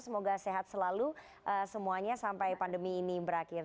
semoga sehat selalu semuanya sampai pandemi ini berakhir